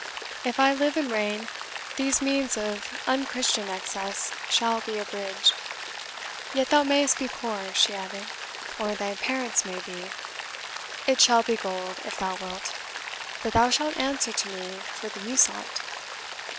If I live and reign, these means of unchristian excess shall be abridged. Yet thou mayest be poor," she added, "or thy parents may be. It shall be gold, if thou wilt, but thou shalt answer to me for the use on't."